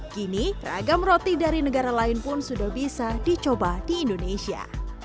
kini ragam roti dari negara lain pun sudah bisa dicoba di indonesia